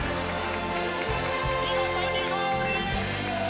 見事にゴール！